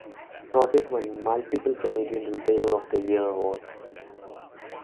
Rogers won multiple "Canadian Retailer of the Year" awards.